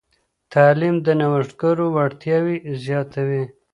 تعلیم د نوښتګرو وړتیاوې زیاتوي.